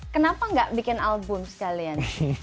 kenapa gak bikin album sekalian